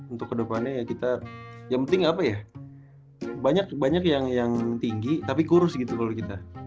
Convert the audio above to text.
untuk kedepannya ya kita yang penting apa ya banyak banyak yang tinggi tapi kurus gitu kalau kita